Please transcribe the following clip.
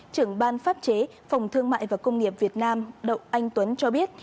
trưởng ban pháp chế phòng thương mại và công nghiệp việt nam đậu anh tuấn cho biết